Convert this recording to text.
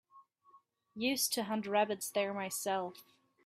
Used to hunt rabbits there myself.